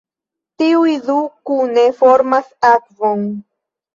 Tiuj du kune formas akvon.